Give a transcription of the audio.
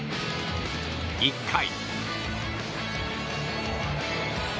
１回。